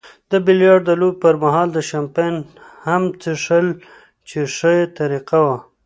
د بیلیارډ لوبې پرمهال مو شیمپین هم څیښل چې ښه طریقه وه.